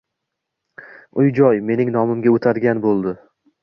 Uy-joy mening nomimga oʻtadigan boʻldi.